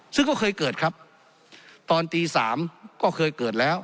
ซึ่งก็เคยเกิดครับตอนตีสามก็เคยเกิดแล้ว